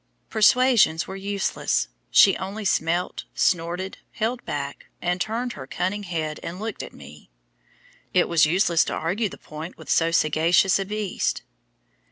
Persuasions were useless; she only smelt, snorted, held back, and turned her cunning head and looked at me. It was useless to argue the point with so sagacious a beast.